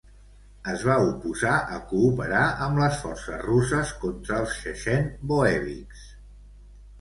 Es va oposar a cooperar amb les forces russes contra els Chechen Boeviks.